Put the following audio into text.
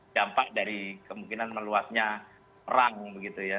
dampak dari kemungkinan meluasnya perang begitu ya